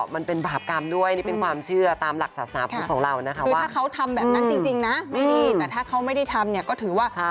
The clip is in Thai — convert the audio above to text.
มันผิดกฎหมายจริงนะคะ